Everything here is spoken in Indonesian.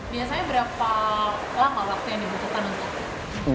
biasanya berapa lama waktu yang dibutuhkan untuk